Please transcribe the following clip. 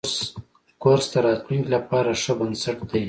کورس د راتلونکي لپاره ښه بنسټ دی.